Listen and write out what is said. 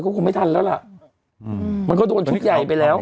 อีกก็คงไม่ทันแล้วแล้วอืมมันก็โดนทุกอย่ายไปแล้ว